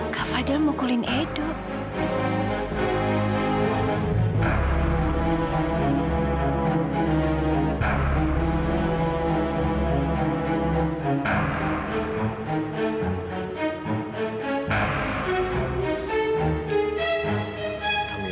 kamu sudah keluar dari kamar isf